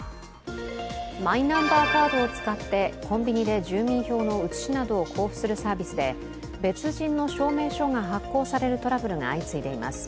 マイナンバーカードを使ってコンビニで住民票の写しなどを交付するサービスで、別人の証明書が発行されるトラブルが相次いでいます。